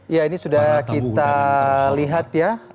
ya ini sudah kita lihat ya